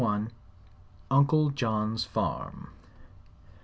UNCLE JOHN'S FARM.